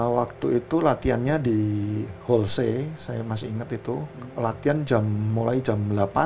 waktu itu latihannya di holsey saya masih inget itu latihan mulai jam delapan